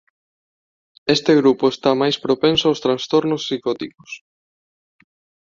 Este grupo está mais propenso aos trastornos psicóticos.